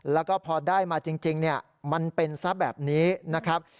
แล้วก็พอได้มาจริงมันเป็นซะแบบนี้นะครับ